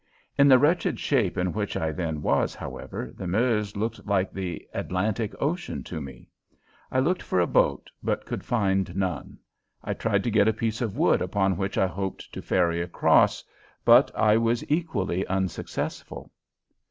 In the wretched shape in which I then was, however, the Meuse looked like the Atlantic Ocean to me. I looked for a boat, but could find none. I tried to get a piece of wood upon which I hoped to ferry across, but I was equally unsuccessful.